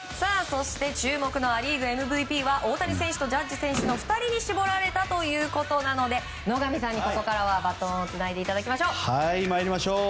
そして注目のア・リーグＭＶＰは大谷選手とジャッジ選手の２人に絞られたということなので野上さんにここからはバトンをつないでいただきましょう。